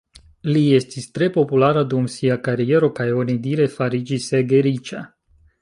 Li estis tre populara dum sia kariero, kaj onidire fariĝis ege riĉa.